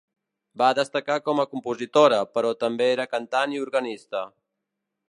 Va destacar com a compositora, però també era cantant i organista.